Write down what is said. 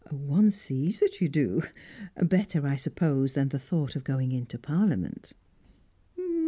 "One sees that you do. Better, I suppose, than the thought of going into Parliament."